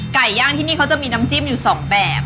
ไก่ย่างที่นี่เขาจะมีน้ำจิ้มอยู่๒แบบ